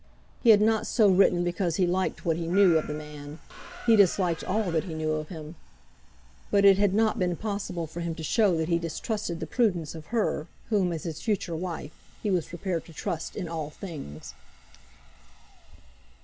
He had not so written because he liked what he knew of the man. He disliked all that he knew of him. But it had not been possible for him to show that he distrusted the prudence of her, whom, as his future wife, he was prepared to trust in all things.